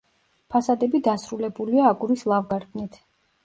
ფასადები დასრულებულია აგურის ლავგარდნით.